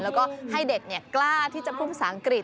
แล้วก็ให้เด็กกล้าที่จะพูดภาษาอังกฤษ